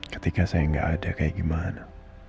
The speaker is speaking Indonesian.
ketika saya nggak ada kayak gimana